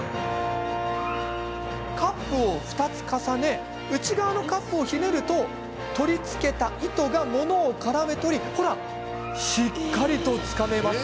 カップを２つ重ね内側のカップをひねると取り付けた糸が物をからめ捕りほら、しっかりとつかめます。